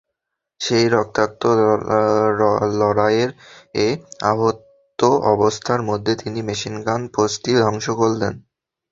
সেই রক্তাক্ত লড়াইয়ে আহত অবস্থার মধ্যেই তিনি মেশিনগান পোস্টটি ধ্বংস করলেন।